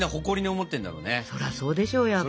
そらそうでしょうやっぱり。